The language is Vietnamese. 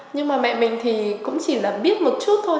nhưng mà mẹ mình thì cũng chỉ là biết một chút thôi